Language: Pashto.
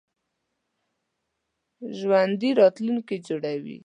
ژوندي راتلونکی جوړوي